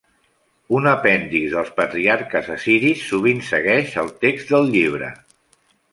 Un apèndix dels patriarques assiris sovint segueix el text del llibre.